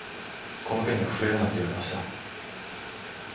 この件には触れるなって言われました。